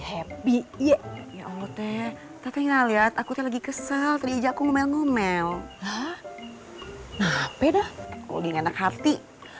happy ya ya allah teh tapi ngeliat aku lagi kesel teriak ngomel ngomel nah peda kering enak hati